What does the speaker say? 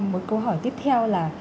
một câu hỏi tiếp theo là